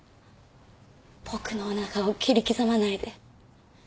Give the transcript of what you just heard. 僕のおなかを切り刻まないで。